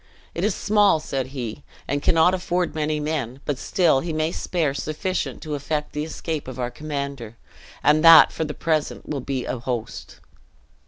"It is small," said he, "and cannot afford many men; but still he may spare sufficient to effect the escape of our commander; and that for the present will be a host!"